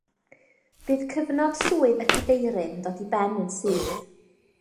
Bydd cyfnod swydd y cadeirydd yn dod i ben yn syth